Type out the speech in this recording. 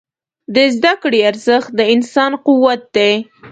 د زده کړې ارزښت د انسان قوت دی.